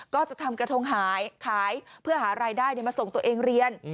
ก็จะทำกระทงหายขายเพื่อหารายได้มาส่งตัวเองเรียน